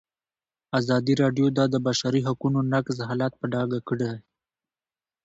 ازادي راډیو د د بشري حقونو نقض حالت په ډاګه کړی.